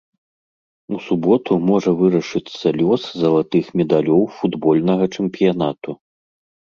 У суботу можа вырашыцца лёс залатых медалёў футбольнага чэмпіянату.